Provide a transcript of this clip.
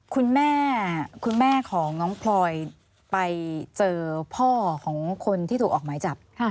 คุณแม่คุณแม่ของน้องพลอยไปเจอพ่อของคนที่ถูกออกหมายจับ